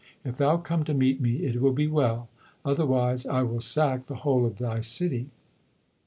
If thou come to meet me, it will be well ; otherwise I will sack the whole of thy city.